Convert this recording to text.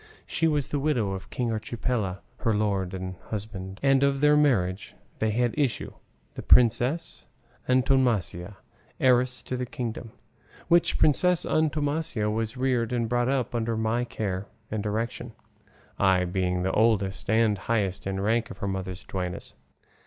She was the widow of King Archipiela, her lord and husband, and of their marriage they had issue the Princess Antonomasia, heiress of the kingdom; which Princess Antonomasia was reared and brought up under my care and direction, I being the oldest and highest in rank of her mother's duennas.